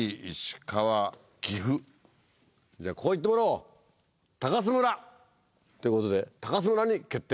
じゃここ行ってもらおう「高鷲村」！ってことで高鷲村に決定。